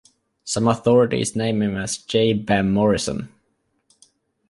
Some authorities name him as J. Bam Morrison.